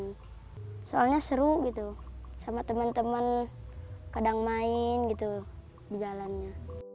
dan soalnya seru gitu sama teman teman kadang main gitu di jalannya